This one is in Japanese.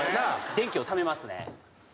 電気をためますね。